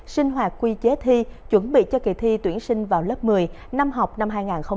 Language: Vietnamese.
sinh hoạt quy chế thi chuẩn bị cho kỳ thi tuyển sinh vào lớp một mươi năm học năm hai nghìn hai mươi hai nghìn hai mươi một